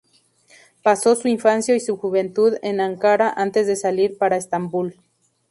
Pasó su infancia y su juventud en Ankara antes de salir para Estambul.